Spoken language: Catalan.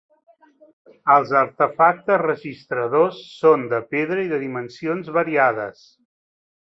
Els artefactes regiradors són de pedra i de dimensions variades.